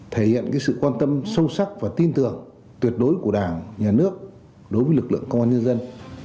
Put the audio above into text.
thể hiện sự quan tâm sâu sắc và tin tưởng tuyệt đối của đảng nhà nước đối với lực lượng công an nhân dân